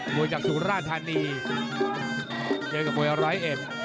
มุยจากสุราธารณีเช่นกับมุยอร้ายเอ็ด